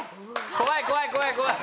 怖い怖い怖い怖い。